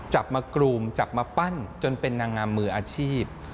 จับมากรูมจับมาปั้นจนเป็นนางงามมืออาชีพ